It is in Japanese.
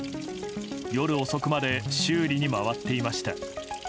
夜遅くまで修理に回っていました。